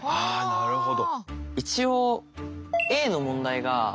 なるほど。